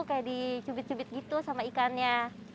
kayak dicubit cubit gitu sama ikannya